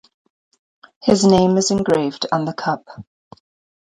His name is engraved on the Cup.